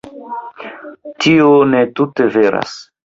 Tio ne tute veras.